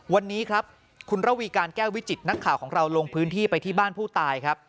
วันนี้ครับคุณระวีการแก้ววิจิตนักข่าวของเราลงพื้นที่ไปที่บ้านผู้ตายครับ